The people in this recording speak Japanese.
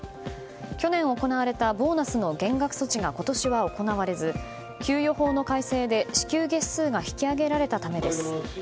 去年行われたボーナスの減額措置が今年は行われず給与法の改正で支給月数が引き上げられたためです。